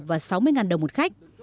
và sáu mươi đồng một khách